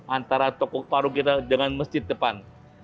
antara toko paru kita dengan masjid depan